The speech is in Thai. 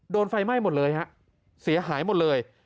ไฟไหม้หมดเลยฮะเสียหายหมดเลย